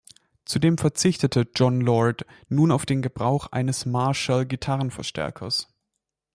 Zudem verzichtete Jon Lord nun auf den Gebrauch eines Marshall-Gitarrenverstärkers.